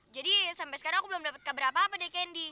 jadi sampai sekarang aku belum dapat kabar apa apa dari candy